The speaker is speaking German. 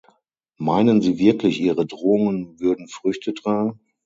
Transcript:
Meinen sie wirklich, ihre Drohungen würden Früchte tragen?